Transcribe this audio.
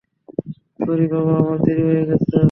Sorry বাবা, আমার দেরি হয়ে গেছে।